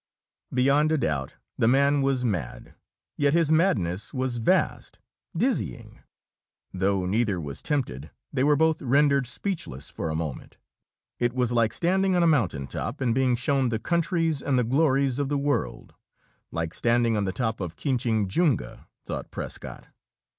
Beyond a doubt, the man was mad; yet his madness was vast, dizzying. Though neither was tempted, they were both rendered speechless for a moment. It was like standing on a mountain top and being shown the countries and the glories of the world like standing on the top of Kinchinjunga, thought Prescott.